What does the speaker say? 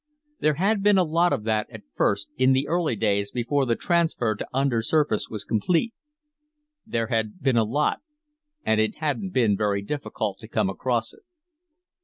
There had been a lot of that at first, in the early days before the transfer to undersurface was complete. There had been a lot, and it hadn't been very difficult to come across it.